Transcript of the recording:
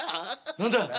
何だ！